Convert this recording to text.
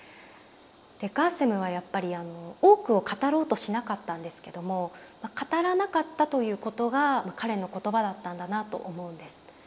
ガーセムはやっぱり多くを語ろうとしなかったんですけども語らなかったということが彼の言葉だったんだなと思うんです。